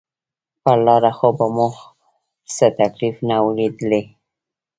پر لاره خو به مو څه تکليف نه وي ليدلى.